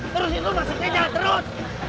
terus itu maksudnya jalan terus